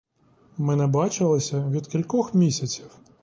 Ми не бачилися від кількох місяців.